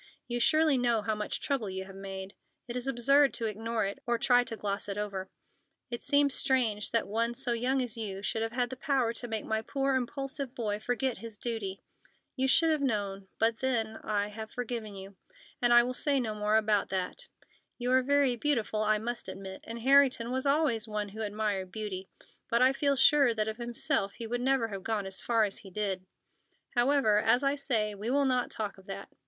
"You surely know how much trouble you have made. It is absurd to ignore it, or try to gloss it over. It seems strange that one so young as you should have had the power to make my poor, impulsive boy forget his duty. You should have known—but, then, I have forgiven you, and I will say no more about that. You are very beautiful, I must admit, and Harrington was always one who admired beauty, but I feel sure that of himself he would never have gone as far as he did. However, as I say, we will not talk of that.